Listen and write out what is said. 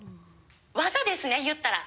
技ですね言ったら。